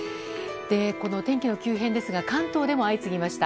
天気の急変ですが関東でも相次ぎました。